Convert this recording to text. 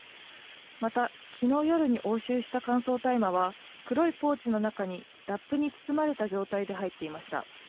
また昨日夜に押収した乾燥大麻は黒いポーチの中に、ラップに包まれた状態で入っていました。